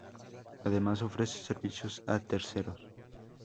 Además, ofrece servicios a terceros.